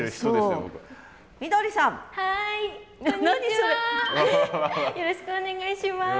よろしくお願いします。